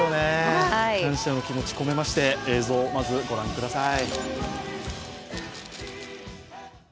感謝の気持ち込めまして、映像、まずご覧ください。